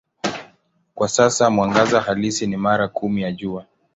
Kwa sasa mwangaza halisi ni mara kumi ya Jua.